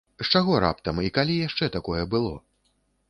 З чаго раптам, і калі яшчэ такое было?